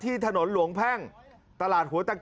ที่มาช่วยลอกท่อที่ถนนหัวตะเข้เขตรักกะบังกรงเทพมหานคร